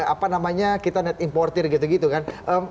apa namanya kita net importer gitu gitu kan